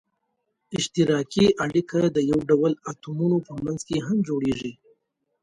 اشتراکي اړیکه د یو ډول اتومونو په منځ کې هم جوړیږي.